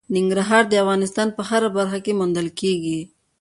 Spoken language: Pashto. ننګرهار د افغانستان په هره برخه کې موندل کېږي.